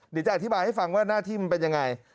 เดี๋ยวจะอธิบายให้ฟังว่าหน้าที่มันเป็นยังไง